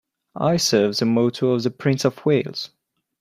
I serve the motto of the Prince of Wales